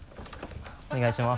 お願いします。